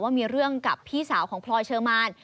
ว่ามีเรื่องกับพี่สาวของพลอยเชอร์มาน